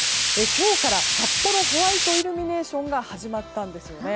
今日から、さっぽろホワイトイルミネーションが始まったんですよね。